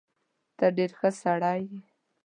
ته ډېر ښه سړی يې.